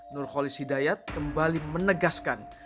nurholis hidayat kembali menegaskan